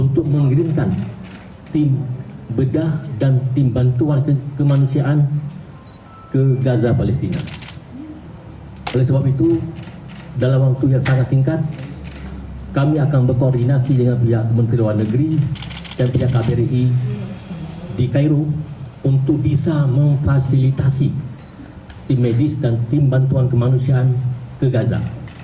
tim dan tim bantuan kemanusiaan ke gaza